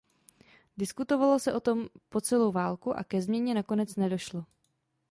Diskutovalo se o tom po celou válku a ke změně nakonec nedošlo.